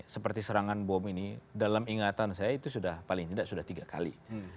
seperti serangan bom ini dalam ingatan saya itu sudah paling tidak sudah tiga kali